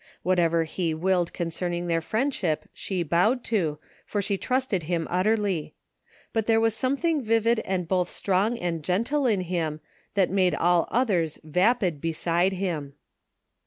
Whatever he willed concerning their friendship she bowed to, for she trusted him utterly; but there was something vivid and both strong and gentle in him that made all otihers vapid beside him.